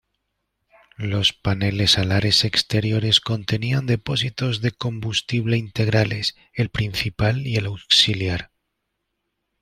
Los paneles alares exteriores contenían depósitos de combustible integrales, el principal y el auxiliar.